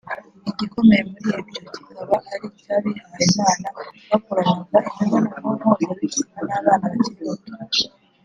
igikomeye muri byo kikaba ari icy’abihaye Imana bakoranaga imibonano mpuzabitsina n’abana bakiri bato